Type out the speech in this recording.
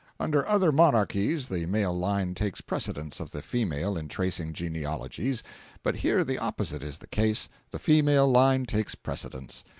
Under other monarchies the male line takes precedence of the female in tracing genealogies, but here the opposite is the case—the female line takes precedence.